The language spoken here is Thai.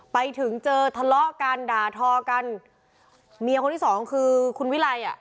ไปถึงเจอทะเลาะกันด่าทอกันเมียคนที่สองคือคุณวิไลอ่ะ